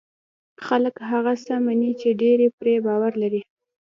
خلک هغه څه مني چې ډېری پرې باور لري.